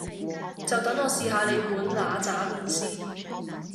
就等我試吓你碗嗱喳麵先